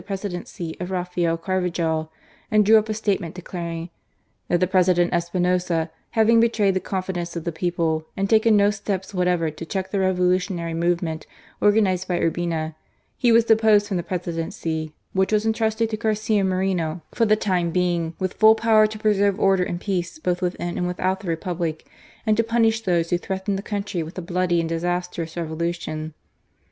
197 presidency of Raphael Carvajal, and drew up a statement declaring "that the President Espinoza, having betrayed the confidence of the people, and taken no steps whatever to check the revolutionary movement organized by Urbina, he was deposed from the Presidency, which was entrusted to Garcia Moreno for the time being, with full power to pre serve order and peace both within and without the Republic, and to punish those who threatened the country with a bloody and disastrous revolution.